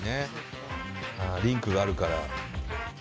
リンクがあるから。